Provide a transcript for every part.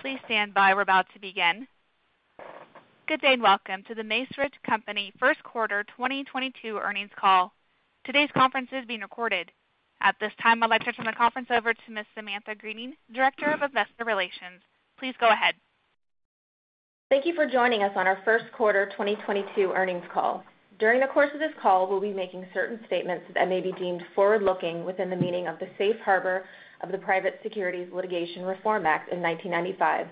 Please stand by. We're about to begin. Good day, and welcome to The Macerich Company first quarter 2022 earnings call. Today's conference is being recorded. At this time, I'd like to turn the conference over to Ms. Samantha Greening, Director of Investor Relations. Please go ahead. Thank you for joining us on our first quarter 2022 earnings call. During the course of this call, we'll be making certain statements that may be deemed forward-looking within the meaning of the Safe Harbor of the Private Securities Litigation Reform Act in 1995,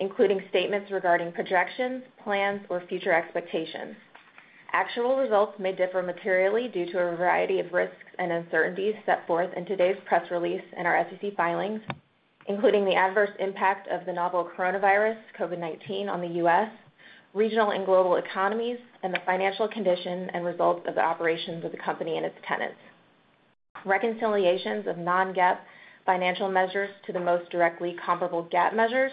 including statements regarding projections, plans, or future expectations. Actual results may differ materially due to a variety of risks and uncertainties set forth in today's press release and our SEC filings, including the adverse impact of the novel coronavirus, COVID-19, on the U.S., regional and global economies, and the financial condition and results of the operations of the company and its tenants. Reconciliations of non-GAAP financial measures to the most directly comparable GAAP measures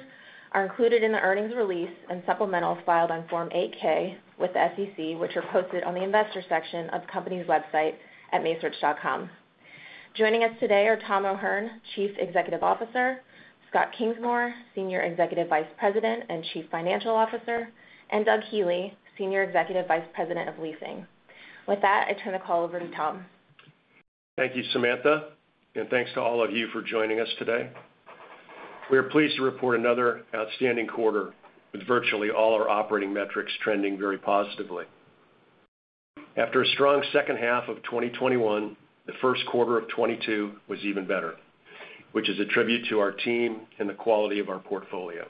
are included in the earnings release and supplementals filed on Form 8-K with the SEC, which are posted on the investor section of the company's website at macerich.com. Joining us today are Tom O'Hern, Chief Executive Officer, Scott Kingsmore, Senior Executive Vice President and Chief Financial Officer, and Doug Healey, Senior Executive Vice President of Leasing. With that, I turn the call over to Tom. Thank you, Samantha, and thanks to all of you for joining us today. We are pleased to report another outstanding quarter, with virtually all our operating metrics trending very positively. After a strong second half of 2021, the first quarter of 2022 was even better, which is a tribute to our team and the quality of our portfolio.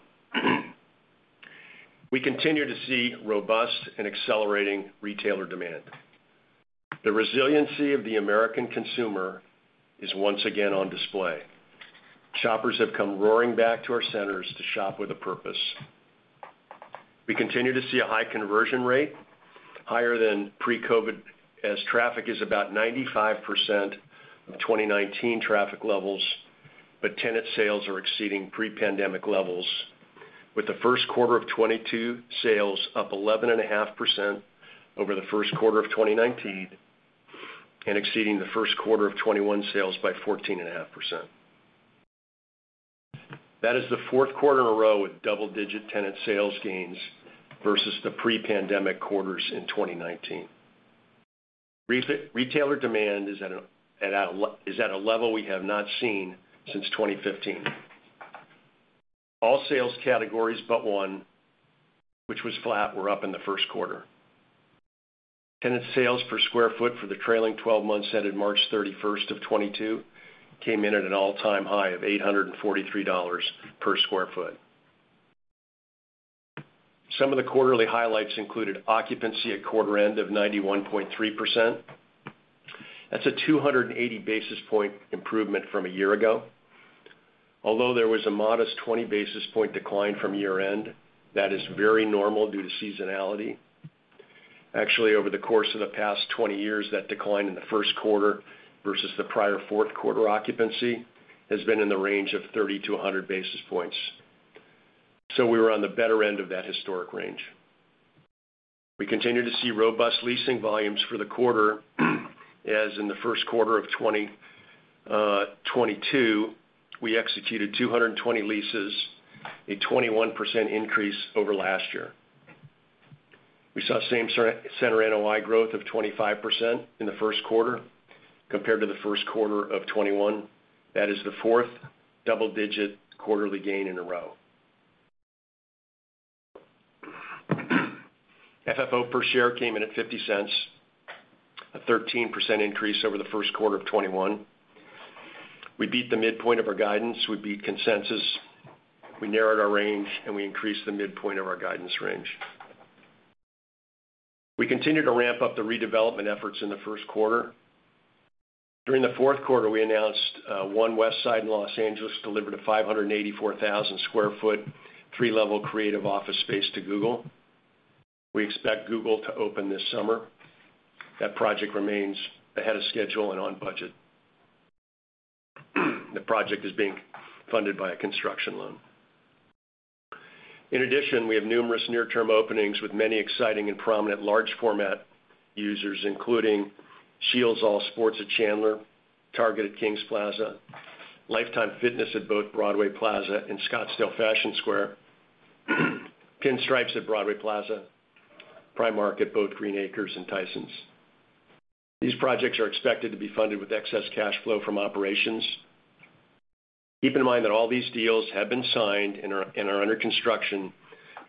We continue to see robust and accelerating retailer demand. The resiliency of the American consumer is once again on display. Shoppers have come roaring back to our centers to shop with a purpose. We continue to see a high conversion rate, higher than pre-COVID, as traffic is about 95% of 2019 traffic levels, but tenant sales are exceeding pre-pandemic levels, with the first quarter of 2022 sales up 11.5% over the first quarter of 2019 and exceeding the first quarter of 2021 sales by 14.5%. That is the fourth quarter in a row with double-digit tenant sales gains versus the pre-pandemic quarters in 2019. Retailer demand is at a level we have not seen since 2015. All sales categories, but one, which was flat, were up in the first quarter. Tenant sales per square foot for the trailing twelve months ended March 31st, 2022 came in at an all-time high of $843 per sq ft. Some of the quarterly highlights included occupancy at quarter end of 91.3%. That's a 280 basis point improvement from a year ago. Although there was a modest 20 basis point decline from year-end, that is very normal due to seasonality. Actually, over the course of the past 20 years, that decline in the first quarter versus the prior fourth quarter occupancy has been in the range of 30 basis points to 100 basis points. We were on the better end of that historic range. We continue to see robust leasing volumes for the quarter, as in the first quarter of 2022, we executed 220 leases, a 21% increase over last year. We saw same-center NOI growth of 25% in the first quarter compared to the first quarter of 2021. That is the fourth double-digit quarterly gain in a row. FFO per share came in at $0.50, a 13% increase over the first quarter of 2021. We beat the midpoint of our guidance. We beat consensus. We narrowed our range, and we increased the midpoint of our guidance range. We continued to ramp up the redevelopment efforts in the first quarter. During the fourth quarter, we announced One Westside in Los Angeles delivered a 584,000 sq ft, three-level creative office space to Google. We expect Google to open this summer. That project remains ahead of schedule and on budget. The project is being funded by a construction loan. In addition, we have numerous near-term openings with many exciting and prominent large format users, including SCHEELS at Chandler, Target at Kings Plaza, Life Time at both Broadway Plaza and Scottsdale Fashion Square, Pinstripes at Broadway Plaza, Primark at both Green Acres and Tysons. These projects are expected to be funded with excess cash flow from operations. Keep in mind that all these deals have been signed and are under construction,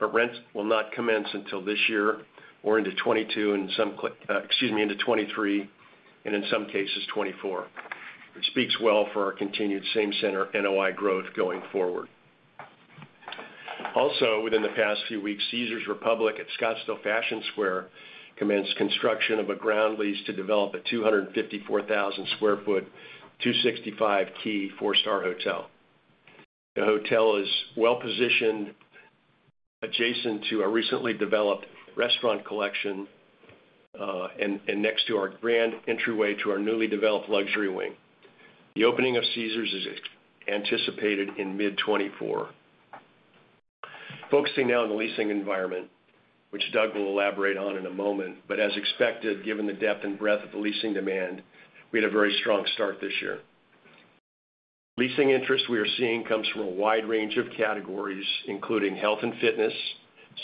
but rents will not commence until this year or into 2022 in some cases, into 2023 and, in some cases, 2024, which speaks well for our continued same center NOI growth going forward. Also, within the past few weeks, Caesars Republic at Scottsdale Fashion Square commenced construction of a ground lease to develop a 254,000 sq ft, 265-key, four-star hotel. The hotel is well-positioned adjacent to a recently developed restaurant collection, and next to our grand entryway to our newly developed luxury wing. The opening of Caesars is anticipated in mid-2024. Focusing now on the leasing environment, which Doug will elaborate on in a moment. As expected, given the depth and breadth of the leasing demand, we had a very strong start this year. Leasing interest we are seeing comes from a wide range of categories, including health and fitness,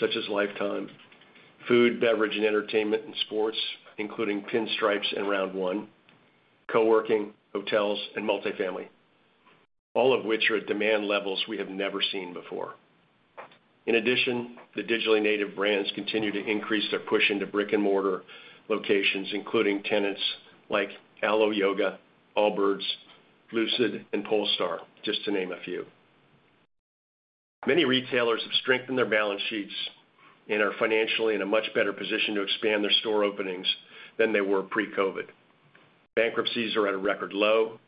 such as Life Time, food, beverage, and entertainment and sports, including Pinstripes and Round1, co-working, hotels, and multifamily, all of which are at demand levels we have never seen before. In addition, the digitally native brands continue to increase their push into brick-and-mortar locations, including tenants like Alo Yoga, Allbirds, Lucid, and Polestar, just to name a few. Many retailers have strengthened their balance sheets and are financially in a much better position to expand their store openings than they were pre-COVID. Bankruptcies are at a record low.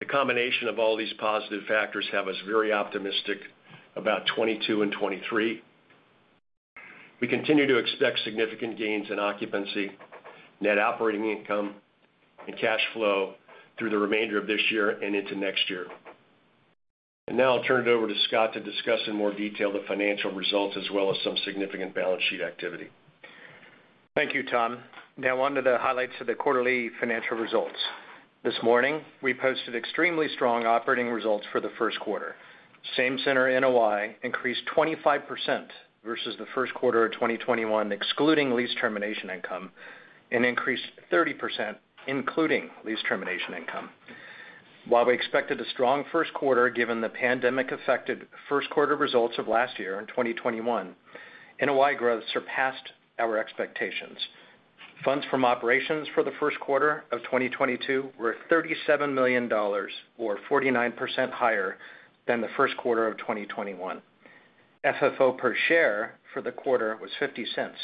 The combination of all these positive factors have us very optimistic about 2022 and 2023. We continue to expect significant gains in occupancy, net operating income, and cash flow through the remainder of this year and into next year. Now I'll turn it over to Scott to discuss in more detail the financial results as well as some significant balance sheet activity. Thank you, Tom. Now onto the highlights of the quarterly financial results. This morning, we posted extremely strong operating results for the first quarter. Same center NOI increased 25% versus the first quarter of 2021, excluding lease termination income, and increased 30%, including lease termination income. While we expected a strong first quarter given the pandemic-affected first quarter results of last year in 2021, NOI growth surpassed our expectations. Funds from operations for the first quarter of 2022 were $37 million or 49% higher than the first quarter of 2021. FFO per share for the quarter was $0.50.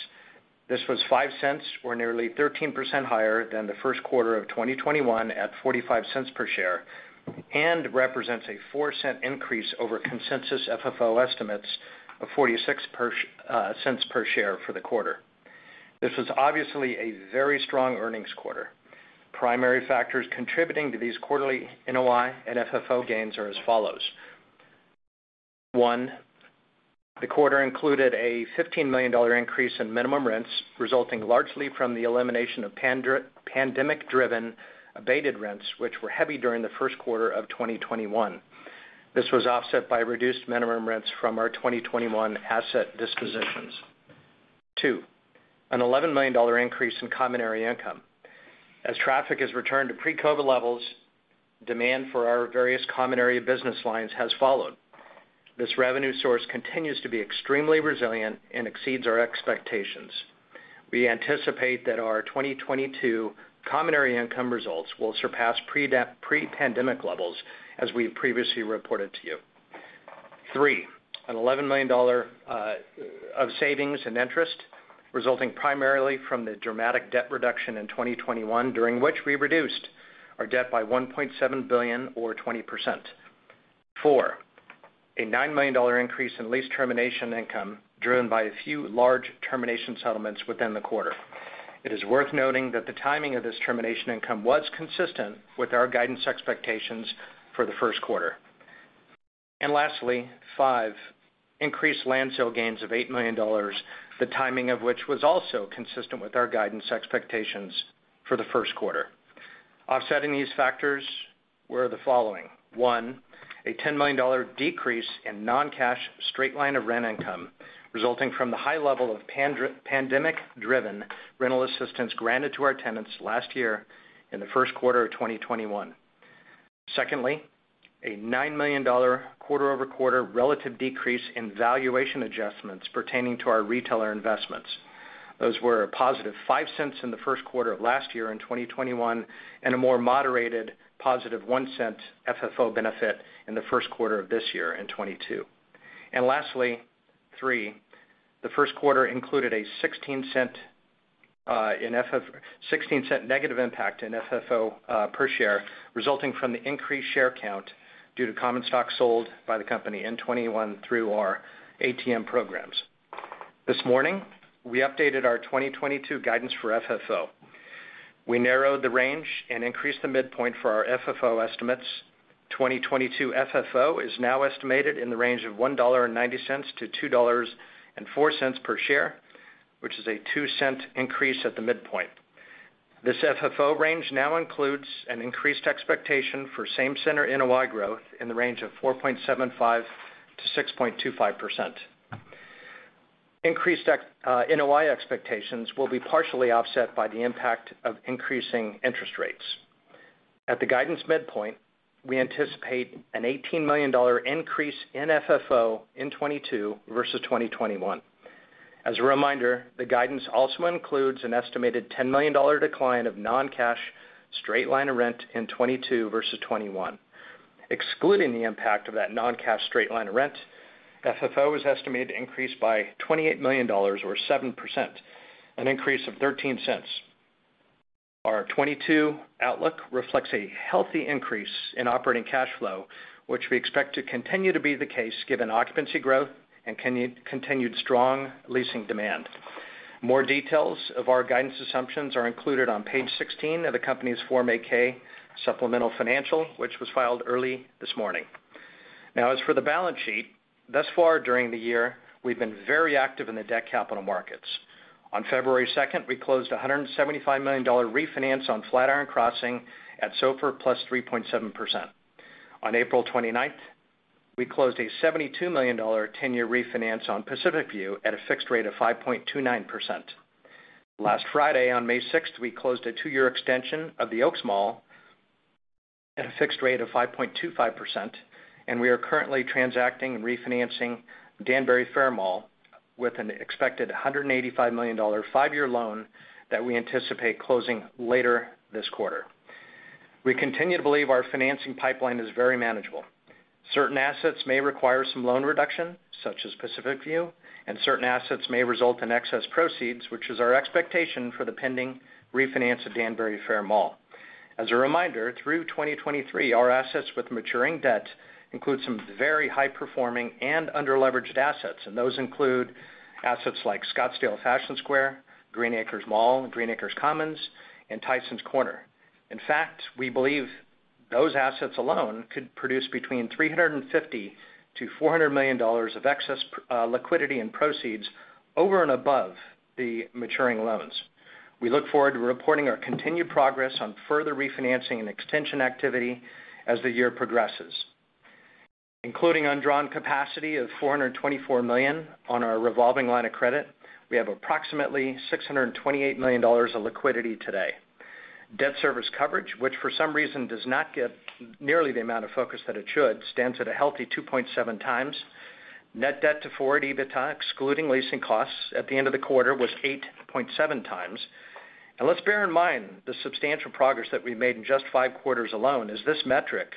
This was $0.05 or nearly 13% higher than the first quarter of 2021 at $0.45 per share, and represents a $0.04 increase over consensus FFO estimates of $0.46 per share for the quarter. This is obviously a very strong earnings quarter. Primary factors contributing to these quarterly NOI and FFO gains are as follows. One, the quarter included a $15 million increase in minimum rents, resulting largely from the elimination of pandemic-driven abated rents, which were heavy during the first quarter of 2021. This was offset by reduced minimum rents from our 2021 asset dispositions. Two, an $11 million increase in common area income. As traffic has returned to pre-COVID levels, demand for our various common area business lines has followed. This revenue source continues to be extremely resilient and exceeds our expectations. We anticipate that our 2022 common area income results will surpass pre-pandemic levels, as we previously reported to you. Three, an $11 million of savings and interest resulting primarily from the dramatic debt reduction in 2021, during which we reduced our debt by $1.7 billion or 20%. Four, a $9 million increase in lease termination income, driven by a few large termination settlements within the quarter. It is worth noting that the timing of this termination income was consistent with our guidance expectations for the first quarter. Lastly, five, increased land sale gains of $8 million, the timing of which was also consistent with our guidance expectations for the first quarter. Offsetting these factors were the following. One, a $10 million decrease in non-cash straight-line rent income resulting from the high level of pandemic-driven rental assistance granted to our tenants last year in the first quarter of 2021. Secondly, a $9 million quarter-over-quarter relative decrease in valuation adjustments pertaining to our retailer investments. Those were a positive $0.05 in the first quarter of last year in 2021, and a more moderated positive $0.01 FFO benefit in the first quarter of this year in 2022. Lastly, three, the first quarter included a $0.16 negative impact in FFO per share, resulting from the increased share count due to common stock sold by the company in 2021 through our ATM programs. This morning, we updated our 2022 guidance for FFO. We narrowed the range and increased the midpoint for our FFO estimates. 2022 FFO is now estimated in the range of $1.90-$2.04 per share, which is a $0.02 increase at the midpoint. This FFO range now includes an increased expectation for same center NOI growth in the range of 4.75%-6.25%. Increased NOI expectations will be partially offset by the impact of increasing interest rates. At the guidance midpoint, we anticipate an $18 million increase in FFO in 2022 versus 2021. As a reminder, the guidance also includes an estimated $10 million decline of non-cash straight line of rent in 2022 versus 2021. Excluding the impact of that non-cash straight line of rent, FFO is estimated to increase by $28 million or 7%, an increase of $0.13. Our 2022 outlook reflects a healthy increase in operating cash flow, which we expect to continue to be the case given occupancy growth and continued strong leasing demand. More details of our guidance assumptions are included on Page 16 of the company's Form 8-K supplemental financial, which was filed early this morning. Now, as for the balance sheet, thus far during the year, we've been very active in the debt capital markets. On February 2nd, we closed a $175 million refinance on Flatiron Crossing at SOFR plus 3.7%. On April 29th, we closed a $72 million ten-year refinance on Pacific View at a fixed rate of 5.29%. Last Friday, on May 6th, we closed a two-year extension of the Oaks Mall at a fixed rate of 5.25%, and we are currently transacting and refinancing Danbury Fair Mall with an expected $185 million five-year loan that we anticipate closing later this quarter. We continue to believe our financing pipeline is very manageable. Certain assets may require some loan reduction, such as Pacific View, and certain assets may result in excess proceeds, which is our expectation for the pending refinance of Danbury Fair Mall. As a reminder, through 2023, our assets with maturing debt include some very high performing and underleveraged assets, and those include assets like Scottsdale Fashion Square, Green Acres Mall, Green Acres Commons, and Tysons Corner. In fact, we believe those assets alone could produce between $350 million and $400 million of excess liquidity and proceeds over and above the maturing loans. We look forward to reporting our continued progress on further refinancing and extension activity as the year progresses. Including undrawn capacity of $424 million on our revolving line of credit, we have approximately $628 million of liquidity today. Debt service coverage, which for some reason does not get nearly the amount of focus that it should, stands at a healthy 2.7x. Net debt to forward EBITDA, excluding leasing costs, at the end of the quarter was 8.7x. xLet's bear in mind the substantial progress that we've made in just five quarters alone as this metric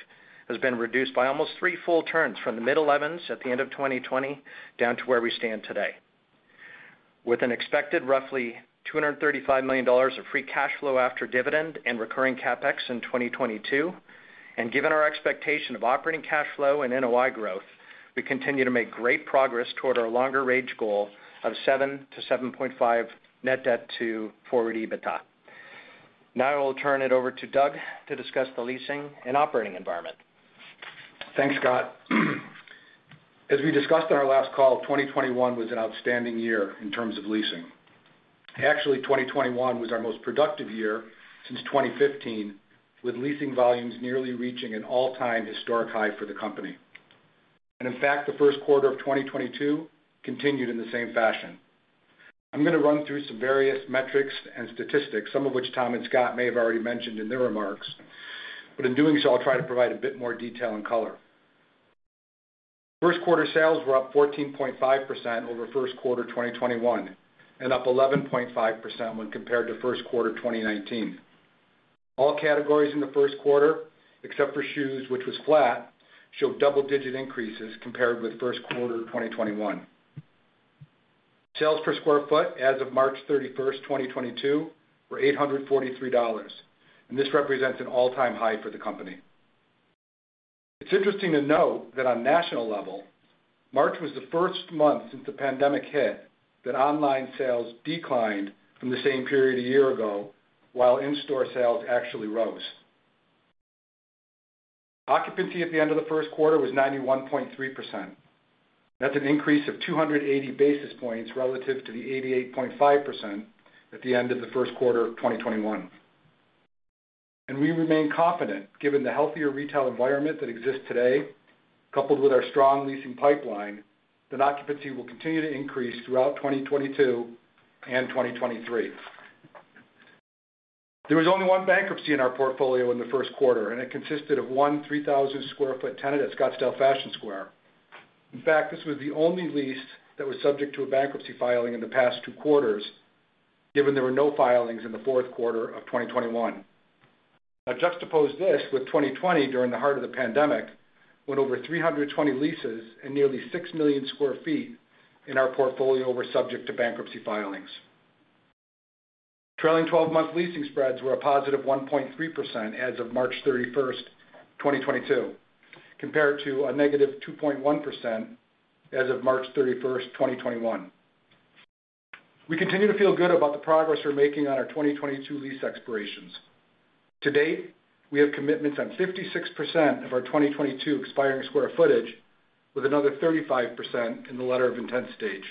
has been reduced by almost three full turns from the mid-11s at the end of 2020 down to where we stand today. With an expected roughly $235 million of free cash flow after dividend and recurring CapEx in 2022, and given our expectation of operating cash flow and NOI growth, we continue to make great progress toward our longer range goal of 7-7.5 net debt to forward EBITDA. Now I will turn it over to Doug to discuss the leasing and operating environment. Thanks, Scott. As we discussed on our last call, 2021 was an outstanding year in terms of leasing. Actually, 2021 was our most productive year since 2015, with leasing volumes nearly reaching an all-time historic high for the company. In fact, the first quarter of 2022 continued in the same fashion. I'm gonna run through some various metrics and statistics, some of which Tom and Scott may have already mentioned in their remarks, but in doing so, I'll try to provide a bit more detail and color. First quarter sales were up 14.5% over first quarter 2021 and up 11.5% when compared to first quarter 2019. All categories in the first quarter, except for shoes, which was flat, showed double-digit increases compared with first quarter of 2021. Sales per sq ft as of March 31st, 2022, were $843, and this represents an all-time high for the company. It's interesting to note that on national level, March was the first month since the pandemic hit that online sales declined from the same period a year ago while in-store sales actually rose. Occupancy at the end of the first quarter was 91.3%. That's an increase of 280 basis points relative to the 88.5% at the end of the first quarter of 2021. We remain confident, given the healthier retail environment that exists today, coupled with our strong leasing pipeline, that occupancy will continue to increase throughout 2022 and 2023. There was only one bankruptcy in our portfolio in the first quarter, and it consisted of 1 3,000 sq ft tenant at Scottsdale Fashion Square. In fact, this was the only lease that was subject to a bankruptcy filing in the past two quarters, given there were no filings in the fourth quarter of 2021. Now juxtapose this with 2020 during the heart of the pandemic, when over 320 leases and nearly 6 million sq ft in our portfolio were subject to bankruptcy filings. Trailing 12-month leasing spreads were a positive 1.3% as of March 31st, 2022, compared to a -2.1% as of March 31st, 2021. We continue to feel good about the progress we're making on our 2022 lease expirations. To date, we have commitments on 56% of our 2022 expiring sq ft, with another 35% in the letter of intent stage.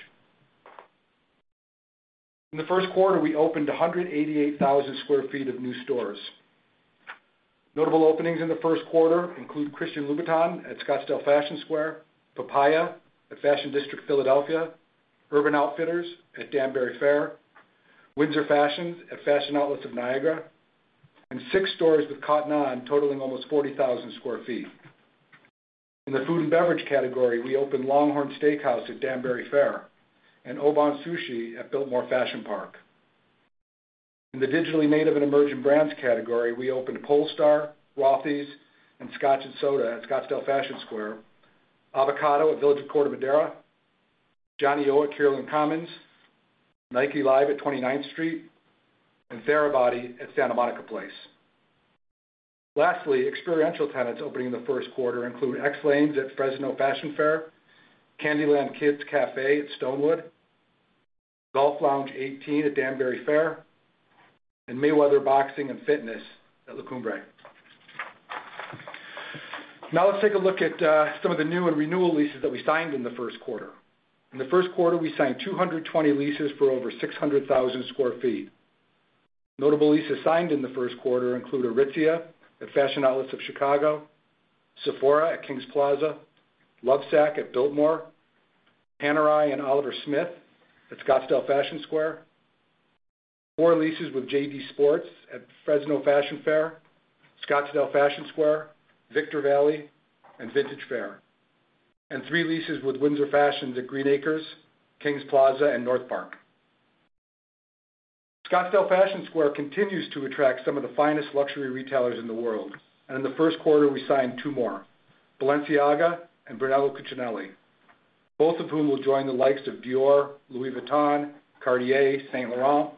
In the first quarter, we opened 188,000 sq ft of new stores. Notable openings in the first quarter include Christian Louboutin at Scottsdale Fashion Square, Papaya at Fashion District Philadelphia, Urban Outfitters at Danbury Fair, Windsor Fashions at Fashion Outlets of Niagara, and six stores with Cotton On totaling almost 40,000 sq ft. In the food and beverage category, we opened LongHorn Steakhouse at Danbury Fair and Obon Bisutoro at Biltmore Fashion Park. In the digitally native and emerging brands category, we opened Polestar, Rothy's, and Scotch & Soda at Scottsdale Fashion Square, Avocado at Village of Corte Madera, johnnie-O at Kierland Commons, Nike Live at 29th Street, and Therabody at Santa Monica Place. Experiential tenants opening in the first quarter include XLanes at Fashion Fair Mall, Candeeland Kids Cafe at Stonewood Center, Golf Lounge 18 at Danbury Fair, and Mayweather Boxing + Fitness at La Cumbre Plaza. Now let's take a look at some of the new and renewal leases that we signed in the first quarter. In the first quarter, we signed 220 leases for over 600,000 square feet. Notable leases signed in the first quarter include Aritzia at Fashion Outlets of Chicago, Sephora at Kings Plaza, Lovesac at Biltmore Fashion Park, Panerai and Oliver Peoples at Scottsdale Fashion Square. More leases with JD Sports at Fresno Fashion Fair, Scottsdale Fashion Square, Victor Valley, and Vintage Faire Mall. Three leases with Windsor Fashions at Green Acres, Kings Plaza, and NorthPark Mall. Scottsdale Fashion Square continues to attract some of the finest luxury retailers in the world, and in the first quarter, we signed two more, Balenciaga and Brunello Cucinelli, both of whom will join the likes of Dior, Louis Vuitton, Cartier, Saint Laurent,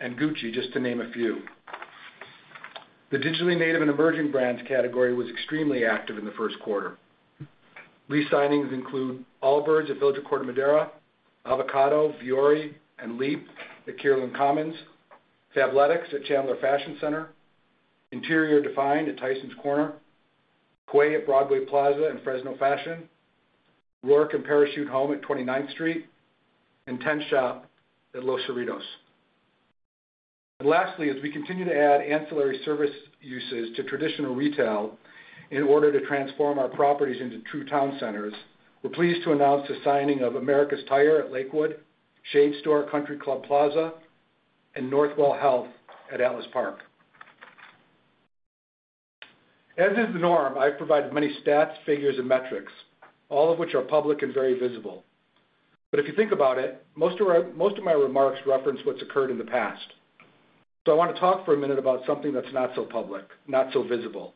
and Gucci, just to name a few. The digitally native and emerging brands category was extremely active in the first quarter. Lease signings include Allbirds at Village of Corte Madera, Avocado, Vuori, and Leap at Kierland Commons, Fabletics at Chandler Fashion Center, Interior Define at Tysons Corner, Quay at Broadway Plaza and Fresno Fashion Fair, Roark and Parachute Home at 29th Street, and THE TEN SPOT at Los Cerritos. Lastly, as we continue to add ancillary service uses to traditional retail in order to transform our properties into true town centers, we're pleased to announce the signing of America's Tire at Lakewood, The Shade Store at Country Club Plaza, and Northwell Health at Atlas Park. As is the norm, I've provided many stats, figures, and metrics, all of which are public and very visible. If you think about it, most of my remarks reference what's occurred in the past. I want to talk for a minute about something that's not so public, not so visible,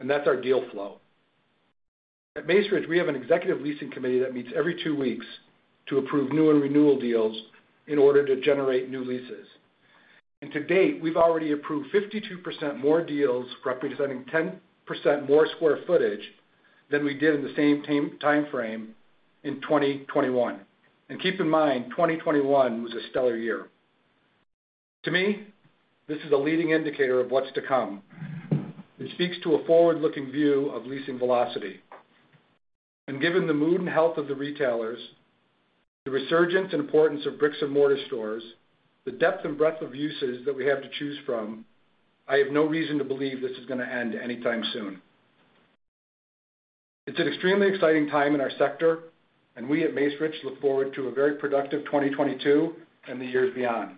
and that's our deal flow. At Macerich, we have an executive leasing committee that meets every two weeks to approve new and renewal deals in order to generate new leases. To date, we've already approved 52% more deals, representing 10% more square footage than we did in the same time frame in 2021. Keep in mind, 2021 was a stellar year. To me, this is a leading indicator of what's to come. It speaks to a forward-looking view of leasing velocity. Given the mood and health of the retailers, the resurgence and importance of bricks-and-mortar stores, the depth and breadth of uses that we have to choose from, I have no reason to believe this is gonna end anytime soon. It's an extremely exciting time in our sector, and we at Macerich look forward to a very productive 2022 and the years beyond.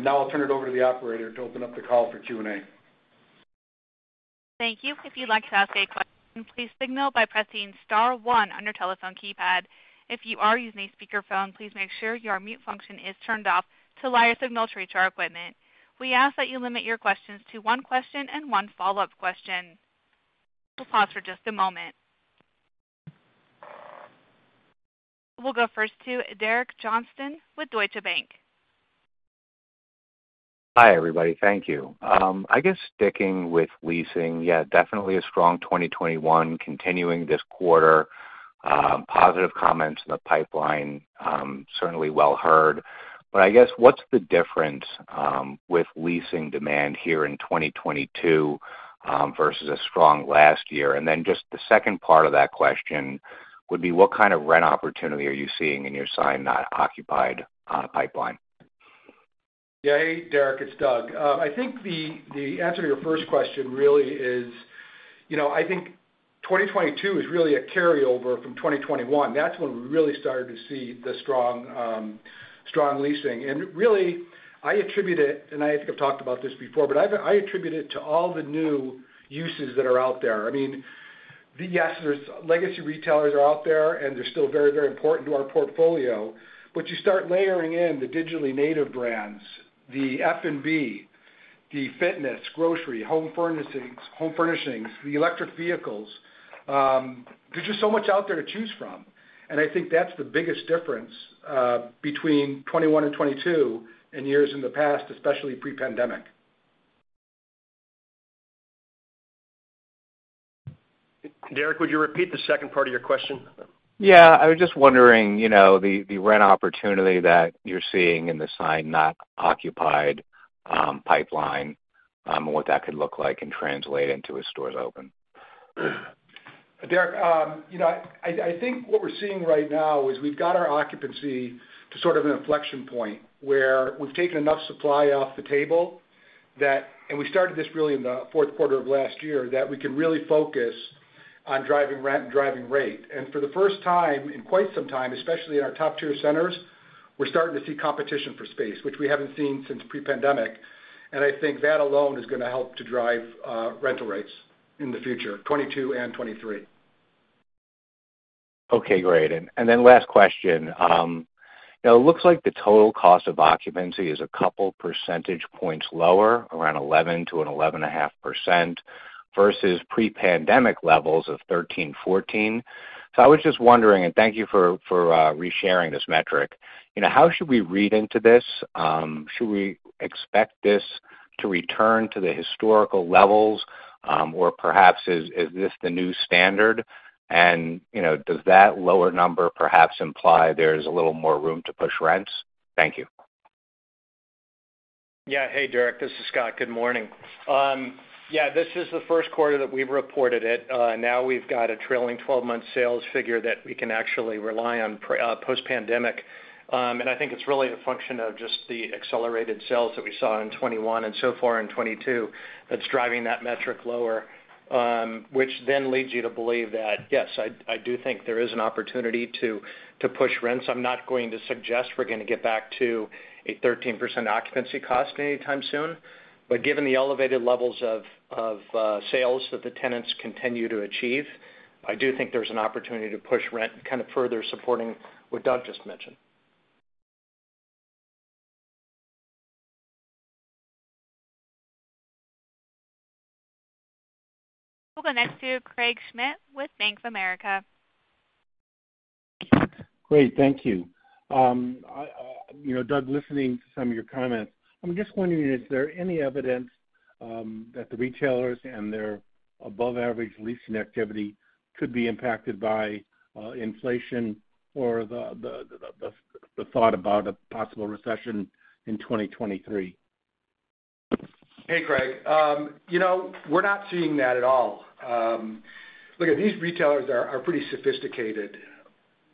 Now I'll turn it over to the operator to open up the call for Q&A. Thank you. If you'd like to ask a question, please signal by pressing star one on your telephone keypad. If you are using a speakerphone, please make sure your mute function is turned off to allow your signal to reach our equipment. We ask that you limit your questions to one question and one follow-up question. We'll pause for just a moment. We'll go first to Derek Johnston with Deutsche Bank. Hi, everybody. Thank you. I guess sticking with leasing, yeah, definitely a strong 2021 continuing this quarter, positive comments in the pipeline, certainly well heard. I guess what's the difference with leasing demand here in 2022 versus a strong last year? Just the second part of that question would be what kind of rent opportunity are you seeing in your signed not occupied pipeline? Yeah. Hey, Derek, it's Doug. I think the answer to your first question really is, you know, I think 2022 is really a carryover from 2021. That's when we really started to see the strong leasing. I attribute it, and I think I've talked about this before, but I attribute it to all the new uses that are out there. I mean, yes, there's legacy retailers are out there, and they're still very, very important to our portfolio. You start layering in the digitally native brands, the F&B, the fitness, grocery, home furnishings, the electric vehicles. There's just so much out there to choose from, and I think that's the biggest difference between 2021 and 2022 and years in the past, especially pre-pandemic. Derek, would you repeat the second part of your question? Yeah, I was just wondering, you know, the rent opportunity that you're seeing in the signed not occupied pipeline, and what that could look like and translate into as stores open. Derek, you know, I think what we're seeing right now is we've got our occupancy to sort of an inflection point where we've taken enough supply off the table that, and we started this really in the fourth quarter of last year, that we can really focus on driving rent and driving rate. For the first time in quite some time, especially in our top tier centers, we're starting to see competition for space, which we haven't seen since pre-pandemic, and I think that alone is gonna help to drive rental rates in the future, 2022 and 2023. Okay, great. Last question. Now it looks like the total cost of occupancy is a couple percentage points lower around 11%-11.5%. Versus pre-pandemic levels of 13%-14%. I was just wondering, and thank you for resharing this metric. You know, how should we read into this? Should we expect this to return to the historical levels? Or perhaps is this the new standard? You know, does that lower number perhaps imply there's a little more room to push rents? Thank you. Yeah. Hey, Derek, this is Scott. Good morning. Yeah, this is the first quarter that we've reported it. Now we've got a trailing 12-month sales figure that we can actually rely on post-pandemic. I think it's really a function of just the accelerated sales that we saw in 2021 and so far in 2022 that's driving that metric lower, which then leads you to believe that, yes, I do think there is an opportunity to push rents. I'm not going to suggest we're gonna get back to a 13% occupancy cost anytime soon. Given the elevated levels of sales that the tenants continue to achieve, I do think there's an opportunity to push rent kind of further supporting what Doug just mentioned. We'll go next to Craig Schmidt with Bank of America. Craig, thank you. You know, Doug, listening to some of your comments, I'm just wondering, is there any evidence that the retailers and their above average leasing activity could be impacted by inflation or the thought about a possible recession in 2023? Hey, Craig. You know, we're not seeing that at all. Look, these retailers are pretty sophisticated.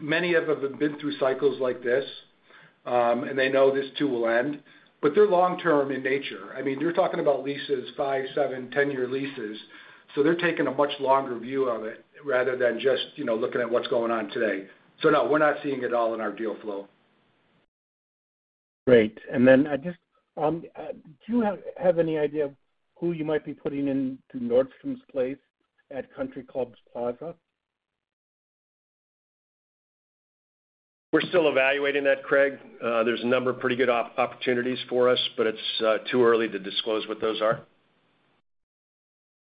Many of them have been through cycles like this, and they know this too will end, but they're long term in nature. I mean, you're talking about leases five, seven, 10-year leases, so they're taking a much longer view of it rather than just, you know, looking at what's going on today. No, we're not seeing it at all in our deal flow. Great. I just, do you have any idea of who you might be putting into Nordstrom's place at Country Club Plaza? We're still evaluating that, Craig. There's a number of pretty good opportunities for us, but it's too early to disclose what those are.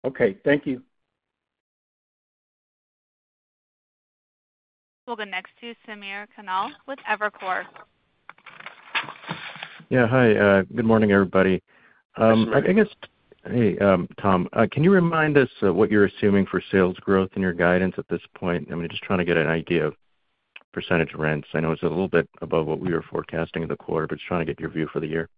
Okay. Thank you. We'll go next to Samir Khanal with Evercore. Yeah. Hi, good morning, everybody. Hi, Samir. Tom, can you remind us of what you're assuming for sales growth in your guidance at this point? I mean, just trying to get an idea of percentage rents. I know it's a little bit above what we were forecasting in the quarter, but just trying to get your view for the year.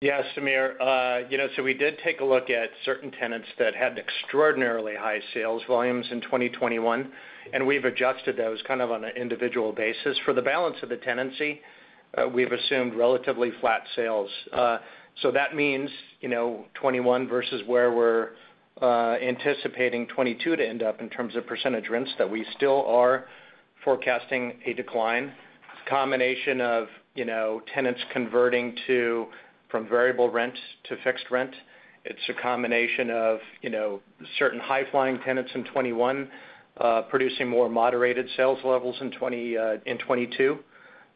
Yeah, Samir. You know, so we did take a look at certain tenants that had extraordinarily high sales volumes in 2021, and we've adjusted those kind of on an individual basis. For the balance of the tenancy, we've assumed relatively flat sales. So that means, you know, 2021 versus where we're anticipating 2022 to end up in terms of percentage rents that we still are forecasting a decline. It's a combination of, you know, tenants converting from variable rent to fixed rent. It's a combination of, you know, certain high flying tenants in 2021 producing more moderated sales levels in 2022.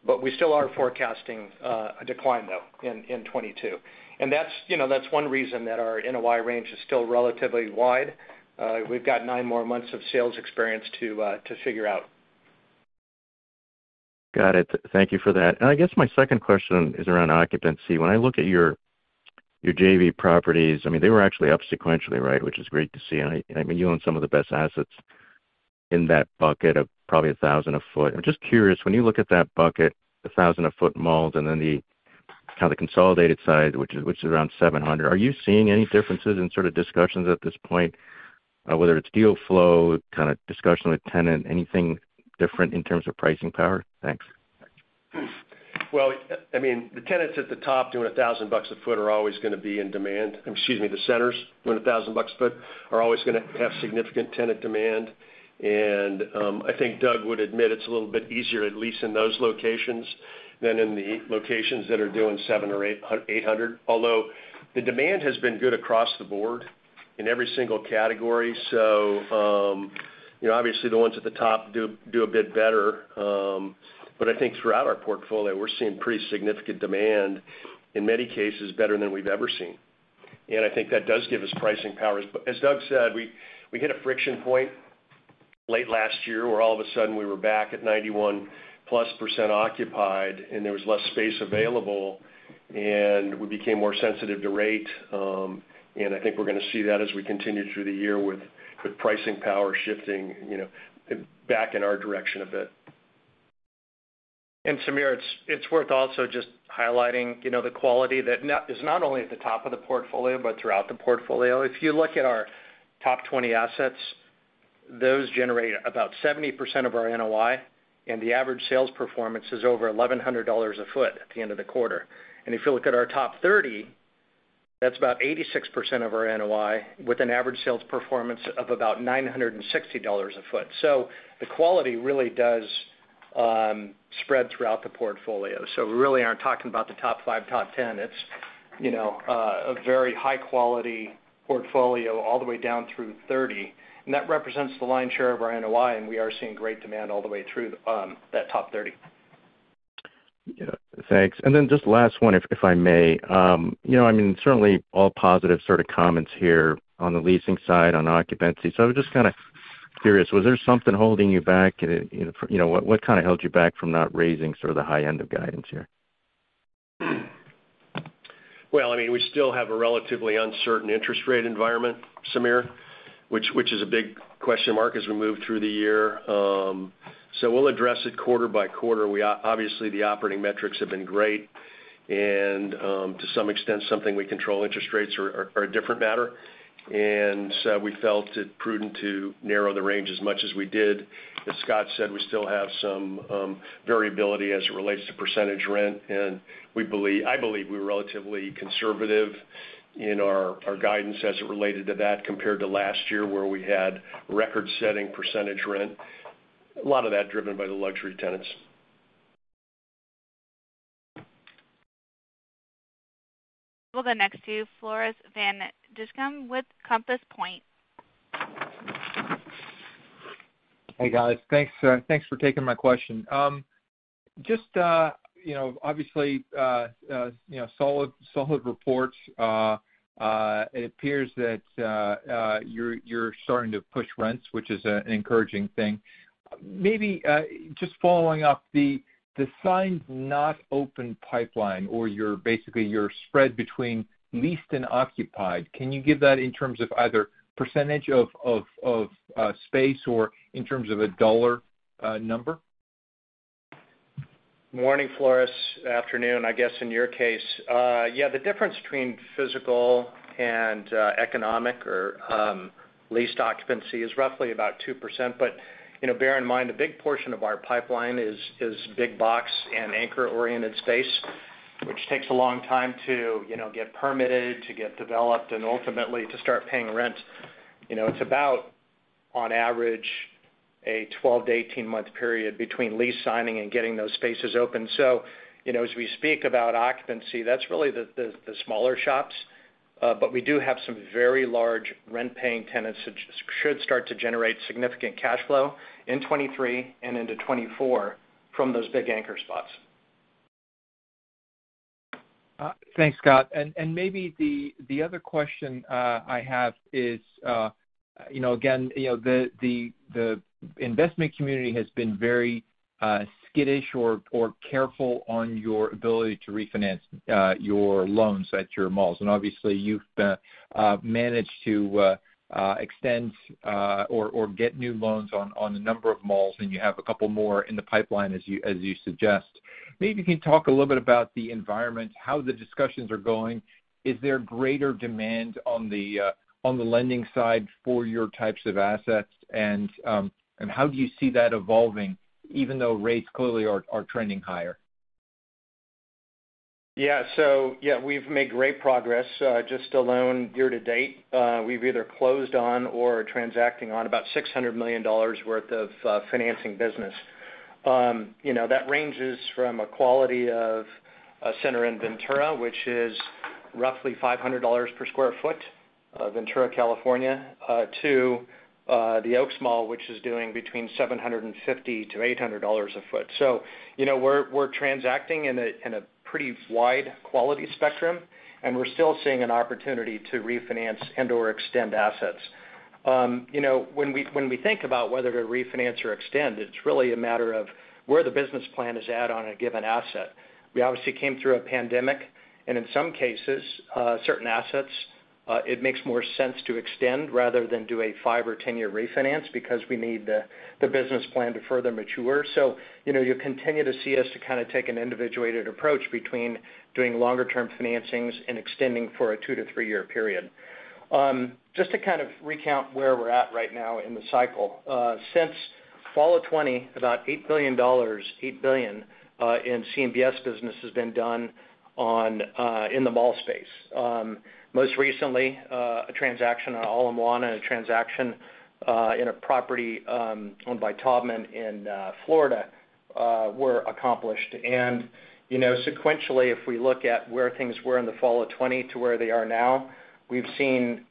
But we still are forecasting a decline though in 2022. That's, you know, that's one reason that our NOI range is still relatively wide. We've got nine more months of sales experience to figure out. Got it. Thank you for that. I guess my second question is around occupancy. When I look at your JV properties, I mean, they were actually up sequentially, right, which is great to see. I mean, you own some of the best assets in that bucket of probably 1,000 a foot. I'm just curious, when you look at that bucket, the 1,000 a foot malls and then the kind of the consolidated side, which is around 700, are you seeing any differences in sort of discussions at this point, whether it's deal flow, kind of discussion with tenant, anything different in terms of pricing power? Thanks. Well, I mean, the tenants at the top doing $1,000 a foot are always gonna be in demand. Excuse me, the centers doing $1,000 a foot are always gonna have significant tenant demand. I think Doug would admit it's a little bit easier to lease in those locations than in the locations that are doing $700 or $800. Although the demand has been good across the board in every single category. You know, obviously the ones at the top do a bit better. But I think throughout our portfolio, we're seeing pretty significant demand, in many cases better than we've ever seen. I think that does give us pricing powers. As Doug said, we hit a friction point late last year where all of a sudden we were back at 91%+ occupied, and there was less space available, and we became more sensitive to rate. I think we're gonna see that as we continue through the year with pricing power shifting, you know, back in our direction a bit. Samir, it's worth also just highlighting, you know, the quality is not only at the top of the portfolio but throughout the portfolio. If you look at our top 20 assets, those generate about 70% of our NOI, and the average sales performance is over $1,100 a foot at the end of the quarter. If you look at our top 30, that's about 86% of our NOI with an average sales performance of about $960 a foot. The quality really does spread throughout the portfolio. We really aren't talking about the top five, top ten. It's, you know, a very high quality portfolio all the way down through 30, and that represents the lion's share of our NOI, and we are seeing great demand all the way through that top 30. Yeah. Thanks. Just last one, if I may. You know, I mean, certainly all positive sort of comments here on the leasing side, on occupancy. I'm just kind of curious, was there something holding you back? You know, what kind of held you back from not raising sort of the high end of guidance here? Well, I mean, we still have a relatively uncertain interest rate environment, Samir, which is a big question mark as we move through the year. We'll address it quarter by quarter. We obviously, the operating metrics have been great, and to some extent, something we control, interest rates are a different matter. We felt it prudent to narrow the range as much as we did. As Scott said, we still have some variability as it relates to percentage rent, and I believe we're relatively conservative in our guidance as it related to that compared to last year where we had record-setting percentage rent, a lot of that driven by the luxury tenants. We'll go next to Floris van Dijkum with Compass Point. Hey, guys. Thanks for taking my question. Just, you know, obviously, you know, solid reports. It appears that you're starting to push rents, which is an encouraging thing. Maybe just following-up, the signed not opened pipeline or basically your spread between leased and occupied. Can you give that in terms of either percentage of space or in terms of a dollar number? Morning, Floris. Afternoon, I guess in your case. Yeah, the difference between physical and economic or leased occupancy is roughly about 2%. You know, bear in mind, a big portion of our pipeline is big box and anchor-oriented space, which takes a long time to get permitted, to get developed, and ultimately to start paying rent. You know, it's about on average a 12-18 month period between lease signing and getting those spaces open. You know, as we speak about occupancy, that's really the smaller shops. We do have some very large rent-paying tenants, which should start to generate significant cash flow in 2023 and into 2024 from those big anchor spots. Thanks, Scott. Maybe the other question I have is, you know, again, you know, the investment community has been very skittish or careful on your ability to refinance your loans at your malls. Obviously, you've managed to extend or get new loans on a number of malls, and you have a couple more in the pipeline as you suggest. Maybe you can talk a little bit about the environment, how the discussions are going. Is there greater demand on the lending side for your types of assets? How do you see that evolving, even though rates clearly are trending higher? Yeah. Yeah, we've made great progress. Just alone year-to-date, we've either closed on or transacting on about $600 million worth of financing business. You know, that ranges from a quality of a center in Ventura, which is roughly $500 per sq ft, Ventura, California, to the Oaks Mall, which is doing between $750-$800 a foot. You know, we're transacting in a pretty wide quality spectrum, and we're still seeing an opportunity to refinance and/or extend assets. You know, when we think about whether to refinance or extend, it's really a matter of where the business plan is at on a given asset. We obviously came through a pandemic, and in some cases, certain assets, it makes more sense to extend rather than do a five or 10-year refinance because we need the business plan to further mature. You know, you'll continue to see us to kind of take an individuated approach between doing longer term financings and extending for a two to three year period. Just to kind of recount where we're at right now in the cycle, since fall of 2020, about $8 billion in CMBS business has been done in the mall space. Most recently, a transaction on Ala Moana and a transaction in a property owned by Taubman in Florida were accomplished. You know, sequentially, if we look at where things were in the fall of 2020 to where they are now, we've seen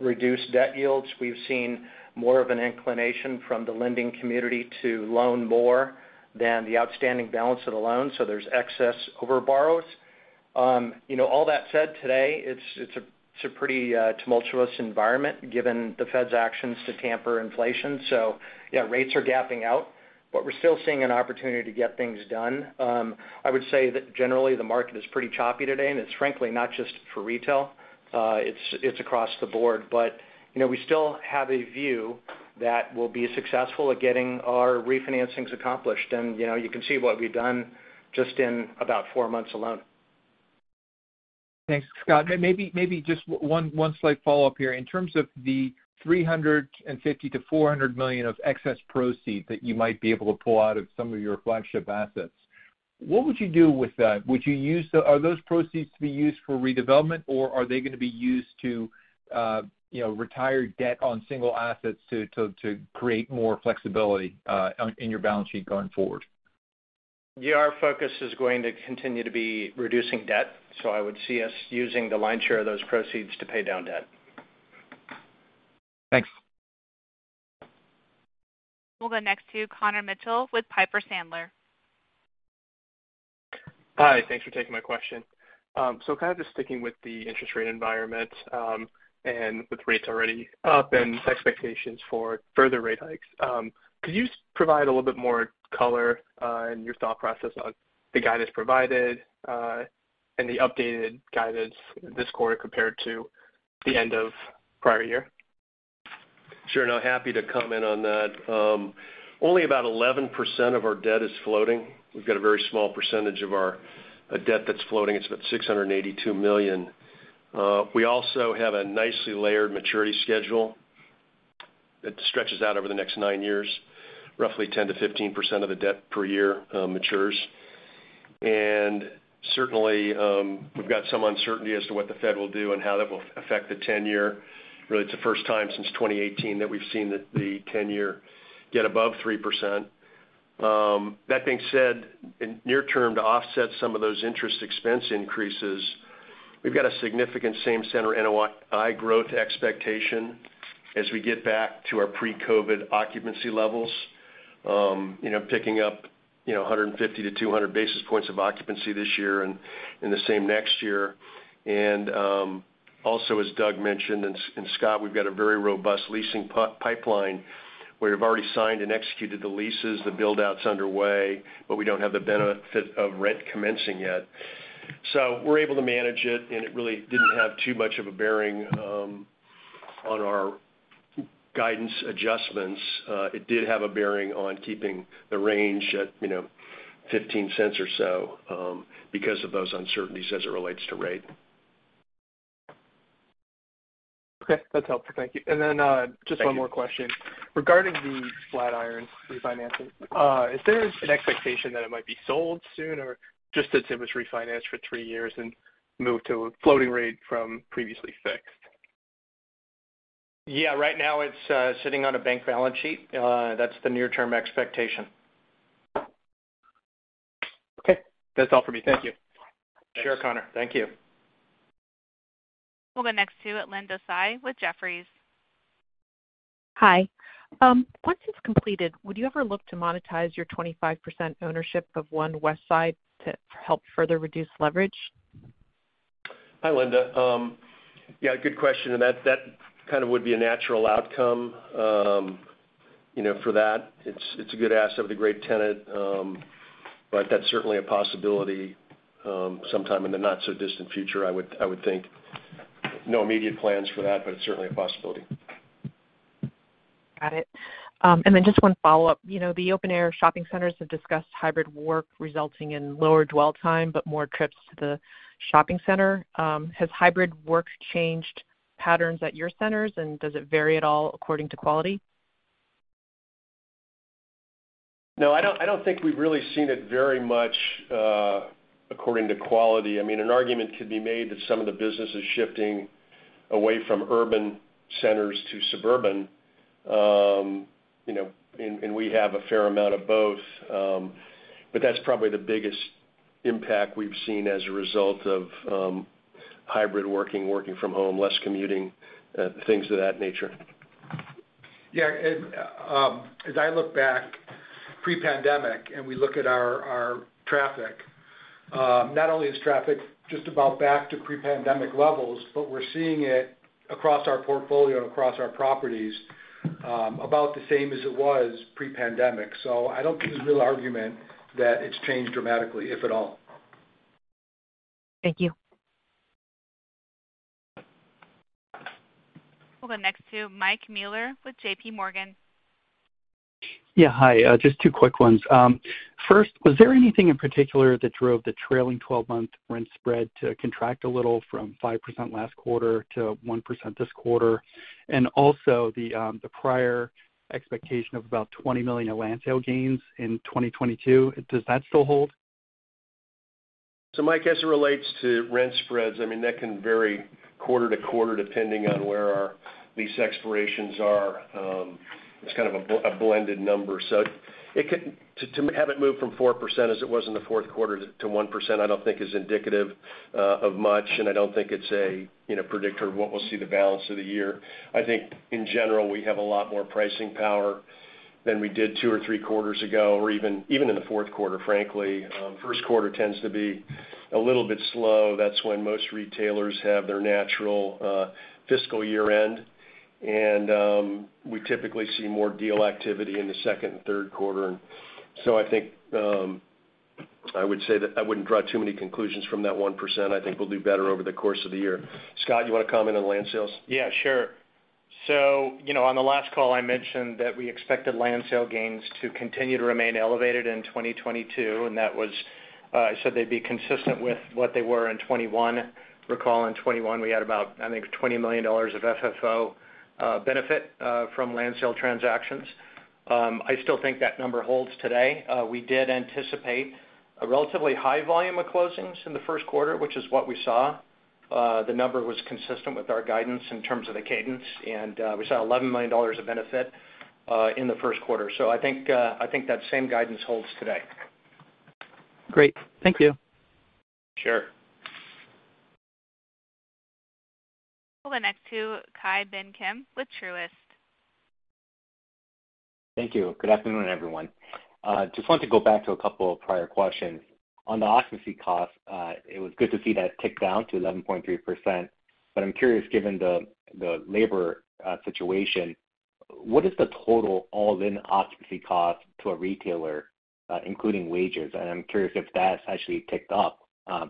reduced debt yields. We've seen more of an inclination from the lending community to loan more than the outstanding balance of the loan, so there's excess over borrows. All that said, today it's a pretty tumultuous environment given the Fed's actions to tamp down inflation. Yeah, rates are gapping out, but we're still seeing an opportunity to get things done. I would say that generally the market is pretty choppy today, and it's frankly not just for retail, it's across the board. We still have a view that we'll be successful at getting our refinancings accomplished. You can see what we've done just in about four months alone. Thanks, Scott. Maybe just one slight follow-up here. In terms of the $350 million-$400 million of excess proceeds that you might be able to pull out of some of your flagship assets, what would you do with that? Are those proceeds to be used for redevelopment, or are they gonna be used to retire debt on single assets to create more flexibility in your balance sheet going forward? Yeah, our focus is going to continue to be reducing debt, so I would see us using the lion's share of those proceeds to pay down debt. Thanks. We'll go next to Connor Mitchell with Piper Sandler. Hi. Thanks for taking my question. Kind of just sticking with the interest rate environment, and with rates already up and expectations for further rate hikes, could you provide a little bit more color in your thought process on the guidance provided, and the updated guidance this quarter compared to the end of prior year? Sure. No, happy to comment on that. Only about 11% of our debt is floating. We've got a very small percentage of our debt that's floating. It's about $682 million. We also have a nicely layered maturity schedule that stretches out over the next nine years. Roughly 10%-15% of the debt per year matures. Certainly, we've got some uncertainty as to what the Fed will do and how that will affect the 10-year. Really, it's the first time since 2018 that we've seen the 10-year get above 3%. That being said, in near term, to offset some of those interest expense increases, we've got a significant same center NOI growth expectation as we get back to our pre-COVID occupancy levels, you know, picking up, you know, 150 basis points to 200 basis points of occupancy this year and the same next year. Also, as Doug mentioned, and Scott, we've got a very robust leasing pipeline where we've already signed and executed the leases, the build-out's underway, but we don't have the benefit of rent commencing yet. We're able to manage it, and it really didn't have too much of a bearing on our guidance adjustments. It did have a bearing on keeping the range at, you know, $0.15 or so, because of those uncertainties as it relates to rate. Okay, that's helpful. Thank you. Thank you. Just one more question. Regarding the Flatiron refinancing, is there an expectation that it might be sold soon, or just that it was refinanced for three years and moved to a floating rate from previously fixed? Yeah. Right now it's sitting on a bank balance sheet. That's the near term expectation. Okay. That's all for me. Thank you. Sure, Connor. Thank you. We'll go next to Linda Tsai with Jefferies. Hi. Once it's completed, would you ever look to monetize your 25% ownership of One Westside to help further reduce leverage? Hi, Linda. Yeah, good question. That kind of would be a natural outcome, you know, for that. It's a good asset with a great tenant, but that's certainly a possibility, sometime in the not so distant future, I would think. No immediate plans for that, but it's certainly a possibility. Got it. Just one follow-up. You know, the open-air shopping centers have discussed hybrid work resulting in lower dwell time, but more trips to the shopping center. Has hybrid work changed patterns at your centers, and does it vary at all according to quality? No. I don't think we've really seen it very much at all in terms of quality. I mean, an argument could be made that some of the business is shifting away from urban centers to suburban, you know, and we have a fair amount of both. That's probably the biggest impact we've seen as a result of hybrid working from home, less commuting, things of that nature. Yeah. As I look back pre-pandemic, and we look at our traffic, not only is traffic just about back to pre-pandemic levels, but we're seeing it across our portfolio and across our properties, about the same as it was pre-pandemic. I don't think there's a real argument that it's changed dramatically, if at all. Thank you. We'll go next to Michael Mueller with JPMorgan. Yeah. Hi. Just two quick ones. First, was there anything in particular that drove the trailing twelve-month rent spread to contract a little from 5% last quarter to 1% this quarter? Also, the prior expectation of about $20 million of land sale gains in 2022, does that still hold? Mike, as it relates to rent spreads, I mean, that can vary quarter to quarter depending on where our lease expirations are. It's kind of a blended number. To have it move from 4% as it was in the fourth quarter to 1% I don't think is indicative of much, and I don't think it's a, you know, predictor of what we'll see the balance of the year. I think in general, we have a lot more pricing power than we did two or three quarters ago, or even in the fourth quarter, frankly. First quarter tends to be a little bit slow. That's when most retailers have their natural fiscal year end. We typically see more deal activity in the second and third quarter. I think I would say that I wouldn't draw too many conclusions from that 1%. I think we'll do better over the course of the year. Scott, you wanna comment on land sales? Yeah, sure. You know, on the last call, I mentioned that we expected land sale gains to continue to remain elevated in 2022, and that was, I said they'd be consistent with what they were in 2021. Recall in 2021, we had about, I think, $20 million of FFO benefit from land sale transactions. I still think that number holds today. We did anticipate a relatively high volume of closings in the first quarter, which is what we saw. The number was consistent with our guidance in terms of the cadence. We saw $11 million of benefit in the first quarter. I think that same guidance holds today. Great. Thank you. Sure. We'll go next to Ki Bin Kim with Truist. Thank you. Good afternoon, everyone. Just want to go back to a couple of prior questions. On the occupancy costs, it was good to see that tick down to 11.3%. I'm curious, given the labor situation, what is the total all-in occupancy cost to a retailer, including wages? I'm curious if that's actually ticked up,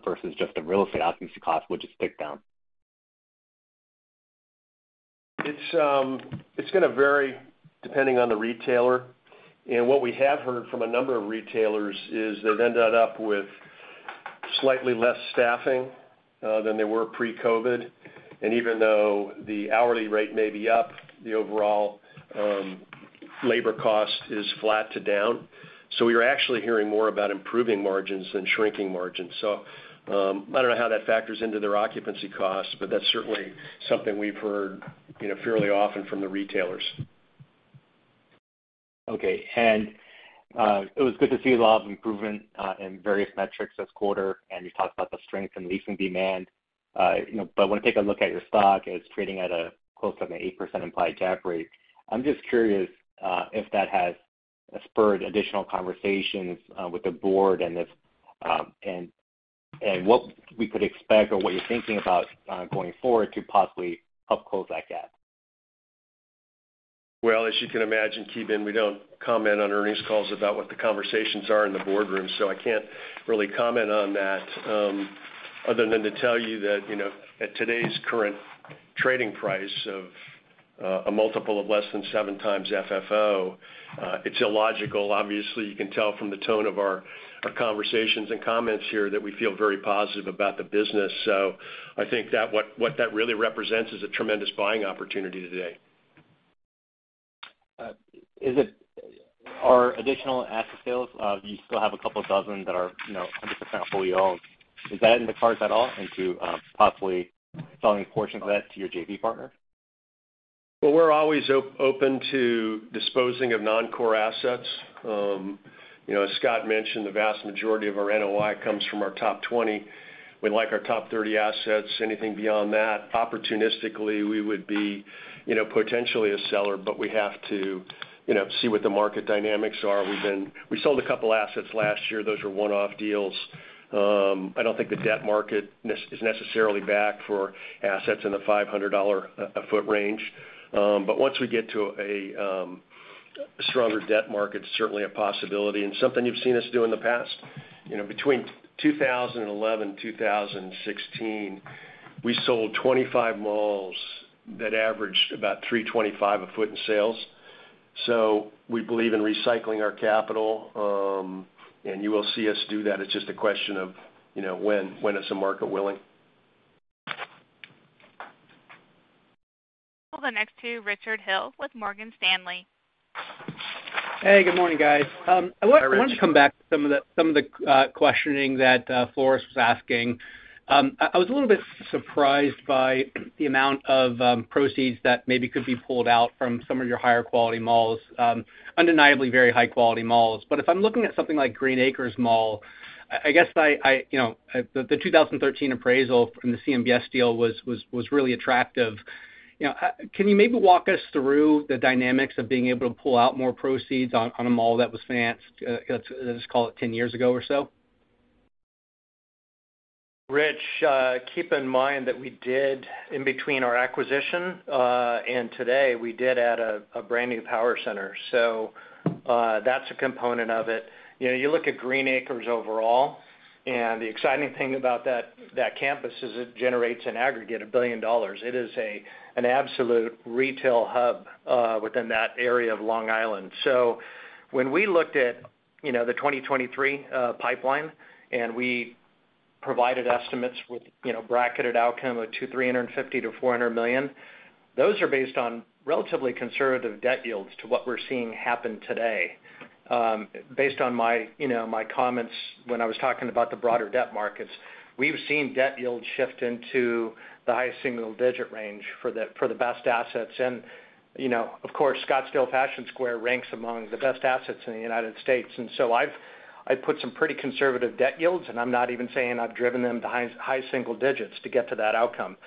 versus just the real estate occupancy cost, which has ticked down. It's gonna vary depending on the retailer. What we have heard from a number of retailers is they've ended up with slightly less staffing than they were pre-COVID. Even though the hourly rate may be up, the overall labor cost is flat to down. We are actually hearing more about improving margins than shrinking margins. I don't know how that factors into their occupancy costs, but that's certainly something we've heard, you know, fairly often from the retailers. Okay. It was good to see a lot of improvement in various metrics this quarter, and you talked about the strength in leasing demand. You know, but when I take a look at your stock, and it's trading at close to an 8% implied cap rate, I'm just curious if that has spurred additional conversations with the board and if and what we could expect or what you're thinking about going forward to possibly help close that gap. Well, as you can imagine, Ki Bin Kim, we don't comment on earnings calls about what the conversations are in the boardroom, so I can't really comment on that, other than to tell you that, you know, at today's current trading price of a multiple of less than 7x FFO, it's illogical. Obviously, you can tell from the tone of our conversations and comments here that we feel very positive about the business. I think that what that really represents is a tremendous buying opportunity today. Are additional asset sales? You still have a couple of dozen that are, you know, 100% fully owned. Is that in the cards at all to possibly selling a portion of that to your JV partner? Well, we're always open to disposing of non-core assets. You know, as Scott mentioned, the vast majority of our NOI comes from our top 20. We like our top 30 assets. Anything beyond that, opportunistically, we would be, you know, potentially a seller, but we have to, you know, see what the market dynamics are. We sold a couple assets last year. Those were one-off deals. I don't think the debt market is necessarily back for assets in the $500 per sq ft range. But once we get to a stronger debt market, it's certainly a possibility and something you've seen us do in the past. You know, between 2011 and 2016, we sold 25 malls that averaged about $325 per sq ft in sales. We believe in recycling our capital, and you will see us do that. It's just a question of, you know, when is the market willing. We'll go next to Richard Hill with Morgan Stanley. Hey, good morning, guys. Hi, Richard. I want to come back to some of the questioning that Floris was asking. I was a little bit surprised by the amount of proceeds that maybe could be pulled out from some of your higher quality malls, undeniably very high quality malls. If I'm looking at something like Green Acres Mall, I guess I, you know, the 2013 appraisal from the CMBS deal was really attractive. You know, can you maybe walk us through the dynamics of being able to pull out more proceeds on a mall that was financed, let's call it 10 years ago or so? Rich, keep in mind that we did, in between our acquisition and today, we did add a brand new power center. That's a component of it. You know, you look at Green Acres overall, and the exciting thing about that campus is it generates an aggregate of $1 billion. It is an absolute retail hub within that area of Long Island. When we looked at, you know, the 2023 pipeline, and we provided estimates with, you know, bracketed outcome of $250 million-$400 million, those are based on relatively conservative debt yields to what we're seeing happen today. Based on my, you know, my comments when I was talking about the broader debt markets, we've seen debt yields shift into the high single-digit range for the best assets. You know, of course, Scottsdale Fashion Square ranks among the best assets in the United States. I've put some pretty conservative debt yields, and I'm not even saying I've driven them to high single digits to get to that outcome.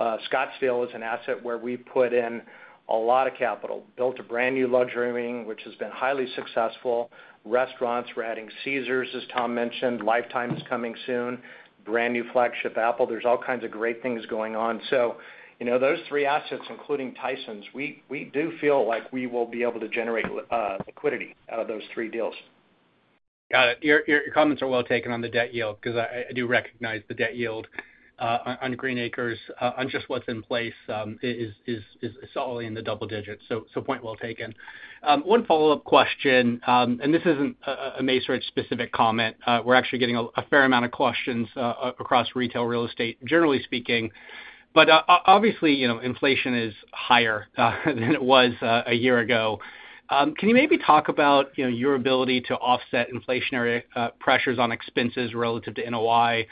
Scottsdale is an asset where we put in a lot of capital, built a brand new luxury wing, which has been highly successful. Restaurants, we're adding Caesars, as Tom mentioned. Life Time is coming soon. Brand new flagship Apple. There's all kinds of great things going on. You know, those three assets, including Tysons, we do feel like we will be able to generate liquidity out of those three deals. Got it. Your comments are well taken on the debt yield because I do recognize the debt yield on Green Acres on just what's in place is solidly in the double digits. Point well taken. One follow-up question, and this isn't a Macerich specific comment. We're actually getting a fair amount of questions across retail real estate, generally speaking. Obviously, you know, inflation is higher than it was a year ago. Can you maybe talk about, you know, your ability to offset inflationary pressures on expenses relative to NOI?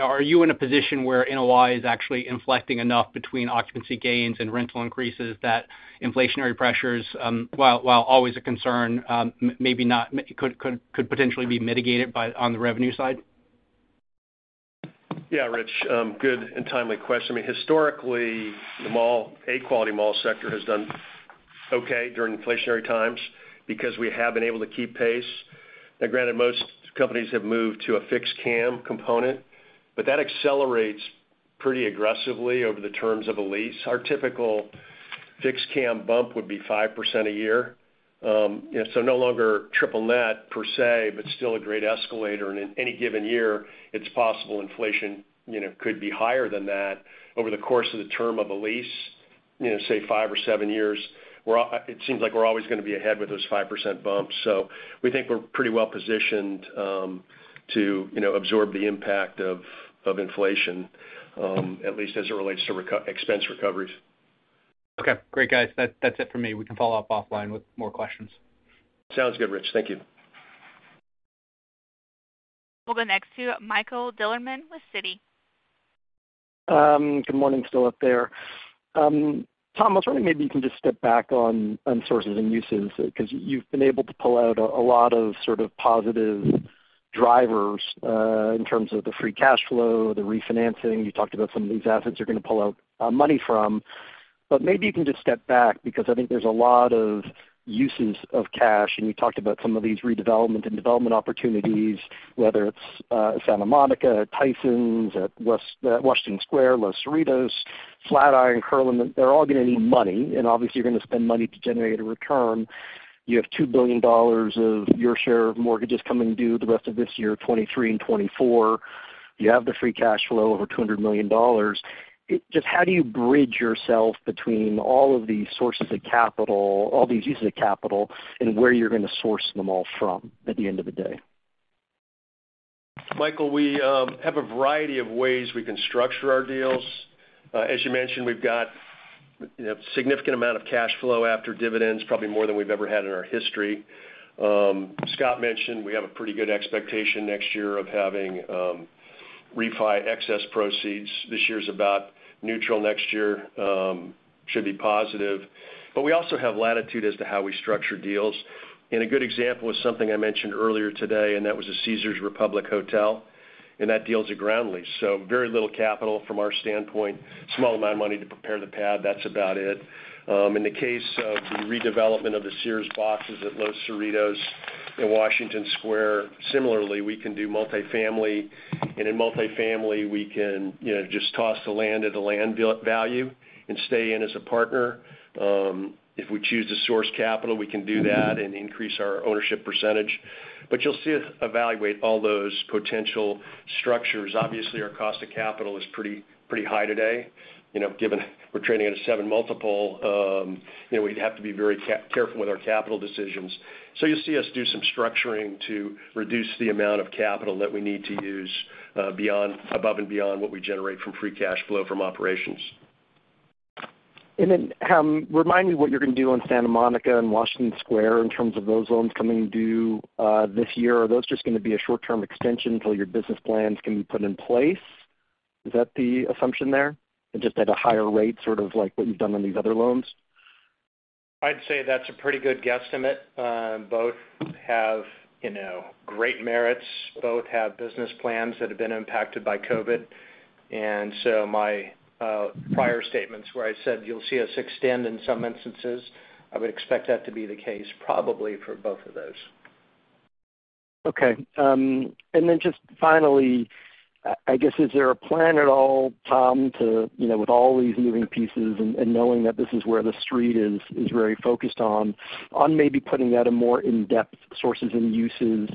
Are you in a position where NOI is actually inflecting enough between occupancy gains and rental increases that inflationary pressures, while always a concern, could potentially be mitigated by, on the revenue side? Yeah, Rich, good and timely question. I mean, historically, the A-quality mall sector has done okay during inflationary times because we have been able to keep pace. Now granted, most companies have moved to a fixed CAM component, but that accelerates pretty aggressively over the terms of a lease. Our typical fixed CAM bump would be 5% a year. You know, so no longer triple net per se, but still a great escalator. In any given year, it's possible inflation, you know, could be higher than that over the course of the term of a lease, you know, say five or seven years. It seems like we're always gonna be ahead with those 5% bumps. We think we're pretty well positioned to, you know, absorb the impact of inflation at least as it relates to expense recoveries. Okay. Great, guys. That's it for me. We can follow-up offline with more questions. Sounds good, Rich. Thank you. We'll go next to Michael Bilerman with Citi. Good morning. Still up there. Tom, I was wondering maybe you can just step back on sources and uses because you've been able to pull out a lot of sort of positive drivers in terms of the free cash flow, the refinancing. You talked about some of these assets you're gonna pull out money from. Maybe you can just step back because I think there's a lot of uses of cash, and you talked about some of these redevelopment and development opportunities, whether it's Santa Monica, Tysons, at Washington Square, Los Cerritos, Flatiron, Herriman. They're all gonna need money, and obviously, you're gonna spend money to generate a return. You have $2 billion of your share of mortgages coming due the rest of this year, 2023 and 2024. You have the free cash flow over $200 million. Just how do you bridge yourself between all of these sources of capital, all these uses of capital, and where you're gonna source them all from at the end of the day? Michael, we have a variety of ways we can structure our deals. As you mentioned, we've got, you know, significant amount of cash flow after dividends, probably more than we've ever had in our history. Scott mentioned we have a pretty good expectation next year of having refi excess proceeds. This year's about neutral. Next year should be positive. We also have latitude as to how we structure deals. A good example is something I mentioned earlier today, and that was the Caesars Republic Hotel, and that deal's a ground lease. So very little capital from our standpoint. Small amount of money to prepare the pad. That's about it. In the case of the redevelopment of the Sears boxes at Los Cerritos and Washington Square, similarly, we can do multifamily. In multifamily, we can just toss the land at the land value and stay in as a partner. If we choose to source capital, we can do that and increase our ownership percentage. You'll see us evaluate all those potential structures. Obviously, our cost of capital is pretty high today, given we're trading at a seven multiple, we'd have to be very careful with our capital decisions. You'll see us do some structuring to reduce the amount of capital that we need to use, above and beyond what we generate from free cash flow from operations. Remind me what you're gonna do on Santa Monica and Washington Square in terms of those loans coming due, this year. Are those just gonna be a short-term extension until your business plans can be put in place? Is that the assumption there? Just at a higher rate, sort of like what you've done on these other loans. I'd say that's a pretty good guesstimate. Both have, you know, great merits. Both have business plans that have been impacted by COVID-19. My prior statements where I said you'll see us extend in some instances, I would expect that to be the case probably for both of those. Okay. Just finally, I guess, is there a plan at all, Tom, to, you know, with all these moving pieces and knowing that this is where the Street is very focused on maybe putting out a more in-depth sources and uses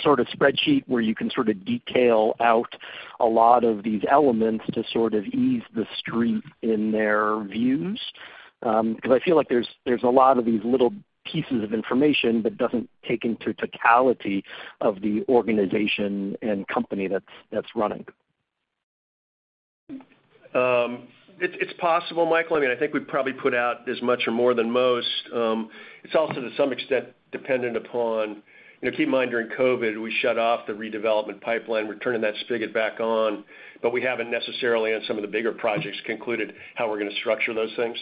sort of spreadsheet where you can sort of detail out a lot of these elements to sort of ease the Street in their views? Because I feel like there's a lot of these little pieces of information, but doesn't take into totality of the organization and company that's running. It's possible, Michael. I mean, I think we probably put out as much or more than most. It's also to some extent dependent upon you know, keep in mind, during COVID-19, we shut off the redevelopment pipeline. We're turning that spigot back on. We haven't necessarily, on some of the bigger projects, concluded how we're gonna structure those things.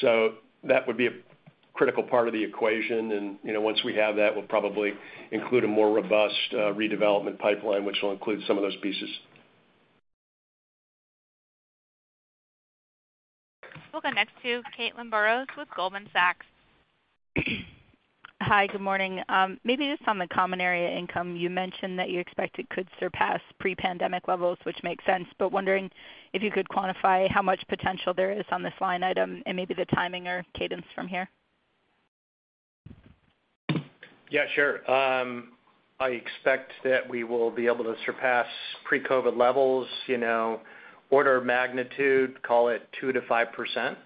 So that would be a critical part of the equation. You know, once we have that, we'll probably include a more robust redevelopment pipeline, which will include some of those pieces. We'll go next to Caitlin Burrows with Goldman Sachs. Hi, good morning. Maybe just on the common area income, you mentioned that you expect it could surpass pre-pandemic levels, which makes sense, but wondering if you could quantify how much potential there is on this line item and maybe the timing or cadence from here? Yeah, sure. I expect that we will be able to surpass pre-COVID-19 levels, you know, order of magnitude, call it 2%-5%.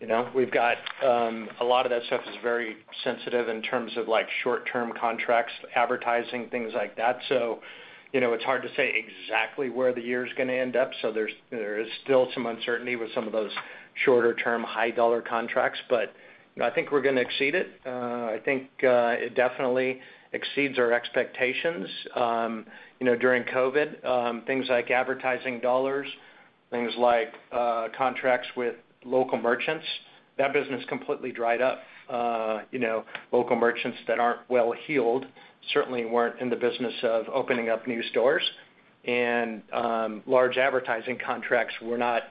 You know, we've got a lot of that stuff is very sensitive in terms of, like, short-term contracts, advertising, things like that. You know, it's hard to say exactly where the year's gonna end up. There is still some uncertainty with some of those shorter-term high-dollar contracts. You know, I think we're gonna exceed it. I think it definitely exceeds our expectations. You know, during COVID-19, things like advertising dollars, things like contracts with local merchants That business completely dried up. You know, local merchants that aren't well-heeled certainly weren't in the business of opening up new stores. Large advertising contracts were not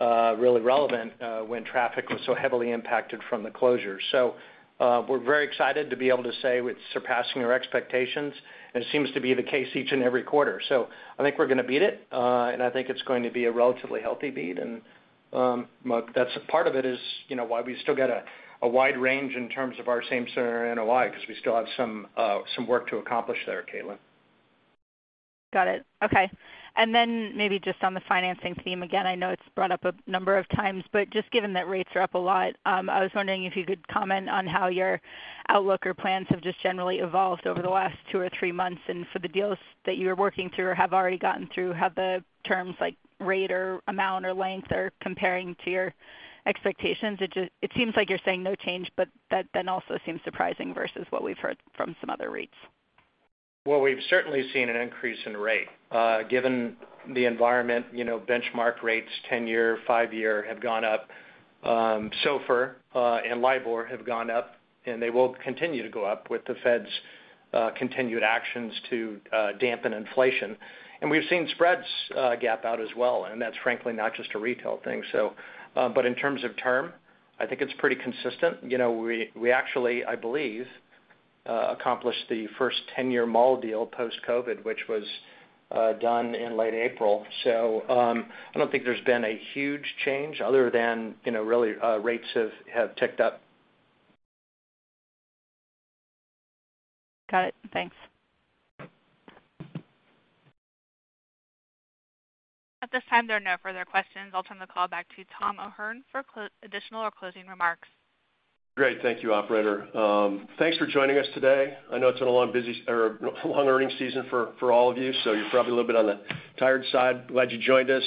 really relevant when traffic was so heavily impacted from the closure. We're very excited to be able to say it's surpassing our expectations, and it seems to be the case each and every quarter. I think we're gonna beat it, and I think it's going to be a relatively healthy beat. Well, that's a part of it is, you know, why we still got a wide range in terms of our same-store NOI, because we still have some work to accomplish there, Caitlin. Got it. Okay. Maybe just on the financing theme. Again, I know it's brought up a number of times, but just given that rates are up a lot, I was wondering if you could comment on how your outlook or plans have just generally evolved over the last two or three months. For the deals that you were working through or have already gotten through, have the terms like rate or amount or length are comparing to your expectations? It just seems like you're saying no change, but that then also seems surprising versus what we've heard from some other REITs. Well, we've certainly seen an increase in rate, given the environment, you know, benchmark rates 10-year, five-year have gone up. SOFR and LIBOR have gone up, and they will continue to go up with the Fed's continued actions to dampen inflation. We've seen spreads gap out as well, and that's frankly not just a retail thing, so. In terms of term, I think it's pretty consistent. You know, we actually, I believe, accomplished the first 10-year mall deal post-COVID, which was done in late April. I don't think there's been a huge change other than, you know, really, rates have ticked up. Got it. Thanks. At this time, there are no further questions. I'll turn the call back to Tom O'Hern for additional or closing remarks. Great. Thank you, operator. Thanks for joining us today. I know it's been a long, busy or long earnings season for all of you, so you're probably a little bit on the tired side. Glad you joined us.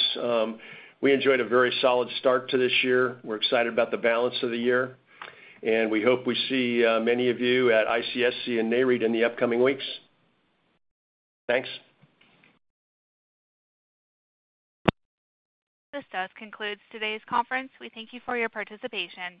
We enjoyed a very solid start to this year. We're excited about the balance of the year, and we hope we see many of you at ICSC and Nareit in the upcoming weeks. Thanks. This concludes today's conference. We thank you for your participation.